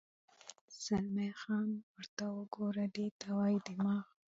زلمی خان: ورته وګوره، دې ته وایي دماغ.